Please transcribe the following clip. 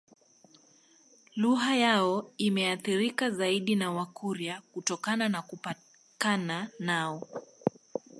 Lugha yao imeathirika zaidi na Wakurya kutokana na kupakana nao